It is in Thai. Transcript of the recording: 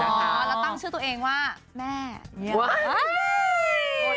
แล้วตั้งชื่อตัวเองว่าแม่